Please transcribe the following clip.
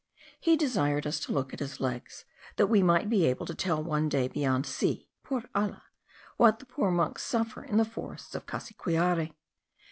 He desired us to look at his legs, that we might be able to tell one day, beyond sea (por alla), what the poor monks suffer in the forests of Cassiquiare.